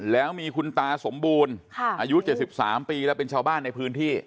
แล้วมีคุณตาสมบูรณ์อายุ๗๓ปีแล้วเป็นชาวบ้านในพื้นที่